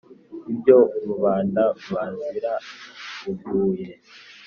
ibyo rubanda bazira uguye.